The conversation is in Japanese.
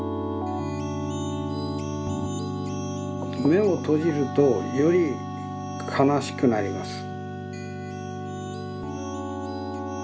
めをとじるとよりかなしくなります。